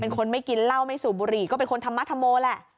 เป็นคนไม่กินเหล้าไม่สูบบุหรี่ก็เป็นคนธรรมธรโมแหละ